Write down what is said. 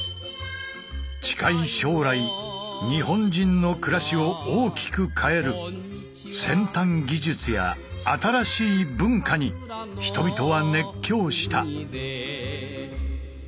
近い将来日本人の暮らしを大きく変える「先端技術」や「新しい文化」に人々は熱狂した。